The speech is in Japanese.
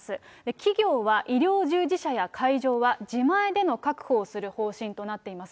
企業は医療従事者や会場は、自前での確保する方針となっています。